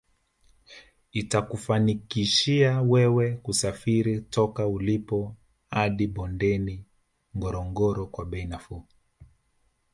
Itakufanikishia wewe kusafiri toka ulipo hadi bondeni Ngorongoro kwa bei nafuu